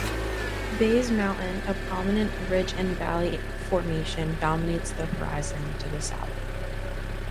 Bays Mountain, a prominent Ridge-and-Valley formation, dominates the horizon to the south.